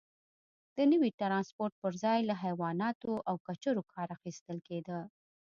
د نوي ټرانسپورت پرځای له حیواناتو او کچرو کار اخیستل کېده.